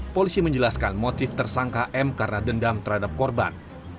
polisi menjelaskan motif tersangka m karena dendam terhadap korban